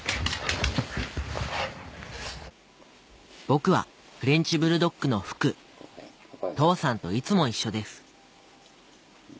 僕はフレンチブルドッグの福父さんといつも一緒です